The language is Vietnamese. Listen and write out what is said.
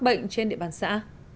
bệnh trên địa bàn xã